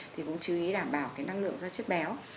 thì cũng chú ý đảm bảo cái năng lượng ra chất béo